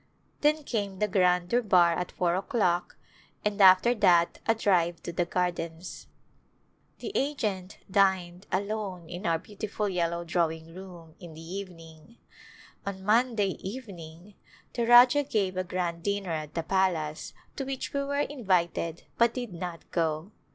Then came the grand durbar at four o'clock and after that a drive to the gardens. The agent dined L330] ^ Last Days alone in our beautiful yellow drawing room in the evening. On Monday evening the Rajah gave a grand dinner at the palace to which we were invited but did not go.